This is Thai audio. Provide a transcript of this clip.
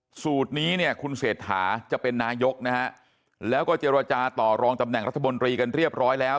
สูตรนี้เนี่ยคุณเศรษฐาจะเป็นนายกนะฮะแล้วก็เจรจาต่อรองตำแหน่งรัฐมนตรีกันเรียบร้อยแล้ว